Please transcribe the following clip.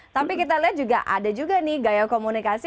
tapi kita lihat juga ada juga nih gaya komunikasi